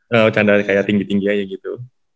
bercanda kayak tinggi tinggi aja gitu